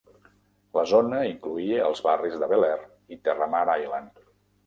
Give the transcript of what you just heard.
La zona incloïa els barris de Bel Air i Terra Mar Island.